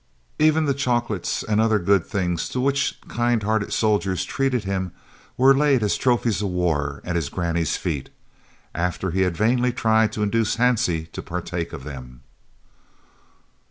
Even the chocolates and other good things to which kind hearted soldiers treated him were laid as "trophies of the war" at his granny's feet, after he had vainly tried to induce Hansie to partake of them.